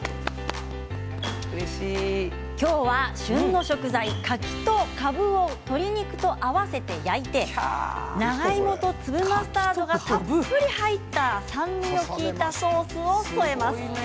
今日は旬の食材柿とかぶを鶏肉と合わせて焼いて長芋と粒マスタードがたっぷり入った酸味の利いたソースを添えます。